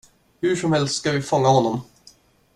Hursomhelst ska vi fånga honom.